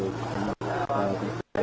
có những cái chỉ đạo